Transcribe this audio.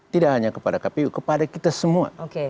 tidak hanya kepada kpu kepada kita semua